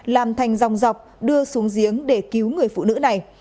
làm thành dòng dọc đưa xuống giếng để cứu người phụ nữ này